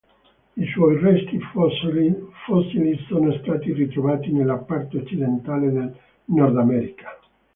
I suoi resti fossili sono stati ritrovati nella parte occidentale del Nordamerica.